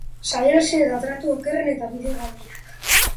Salerosi eta tratu okerren eta bidegabeenak.